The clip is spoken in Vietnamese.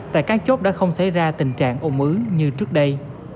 tại các chốt đã không xảy ra tình trạng ô ứ như trước đây